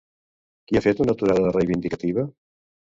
Qui ha fet una aturada reivindicativa?